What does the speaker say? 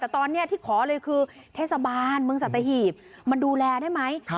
แต่ตอนนี้ที่ขอเลยคือเทศบาลเมืองสัตหีบมาดูแลได้ไหม